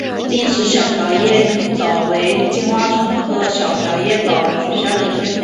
丽翅小瓢叶蚤为金花虫科小瓢叶蚤属下的一个种。